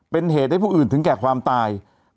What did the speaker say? เป็นเหตุให้ผู้อื่นถึงแก่ความตาย